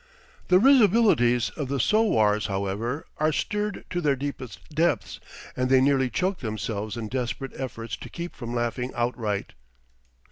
The risibilities of the sowars, however, are stirred to their deepest depths, and they nearly choke themselves in desperate efforts to keep from laughing outright.